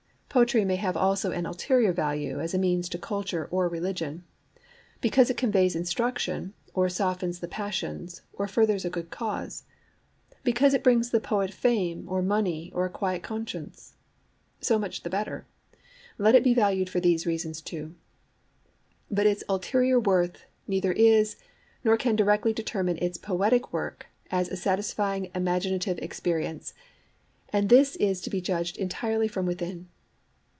Poetry may have also an ulterior value as a means to culture or religion; because it conveys instruction, or softens the passions, or furthers a good cause; because it brings the poet fame or money or a quiet conscience. So much the better: let it be valued for these reasons too. But its ulterior worth neither is nor can directly determine its poetic worth as a satisfying imaginative experience; and this is to be judged entirely from within.